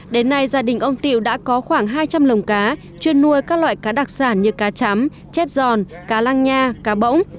đến nay gia đình ông tiểu đã có khoảng hai trăm linh lồng cá chuyên nuôi các loại cá đặc sản như cá chấm chép giòn cá lăng nha cá bỗng